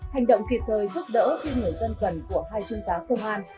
hành động kịp thời giúp đỡ khi người dân cần của hai trung tá công an